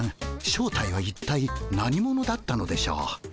正体はいったい何者だったのでしょう。